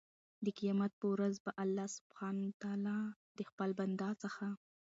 د قيامت په ورځ به الله سبحانه وتعالی د خپل بنده څخه